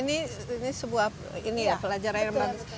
ini sebuah pelajaran yang bagus